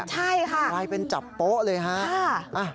ใช่ค่ะกลายเป็นจับโป๊ะเลยฮะ